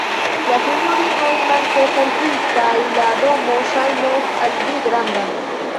La sinjorinoj mankos al vi, kaj la domo ŝajnos al vi granda.